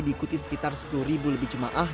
diikuti sekitar sepuluh lebih jemaah